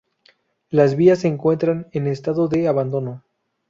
Las vías se encuentran en estado de abandono.